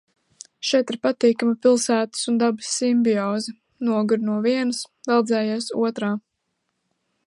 Šeit ir patīkama pilsētas un dabas simbioze – noguri no vienas, veldzējies otrā.